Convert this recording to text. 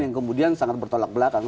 yang kemudian sangat bertolak belakang